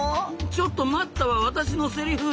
「ちょっと待った」は私のセリフ！